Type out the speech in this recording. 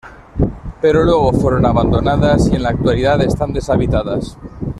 Pero luego fueron abandonadas y en la actualidad están deshabitadas.